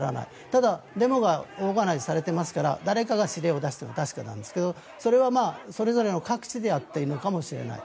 でも、デモはオーガナイズされていますから誰かが指令を出しているのは確かですがそれはそれぞれの各地でやっているのかもしれない。